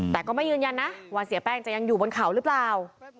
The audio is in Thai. แต่ก็ไม่ยืนยันนะว่าเสียแป้งจะยังอยู่บนเขาหรือเปล่า